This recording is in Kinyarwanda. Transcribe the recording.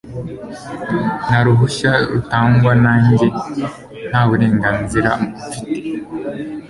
nta ruhushya rutangwa nanjye ntaburenganzira mfite